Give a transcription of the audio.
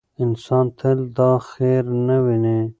انسان تل دا خیر نه ویني.